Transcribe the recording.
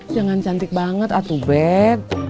jangan cantik banget atuh bet